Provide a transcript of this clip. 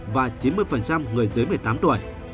và chín mươi người dưới một mươi tám tuổi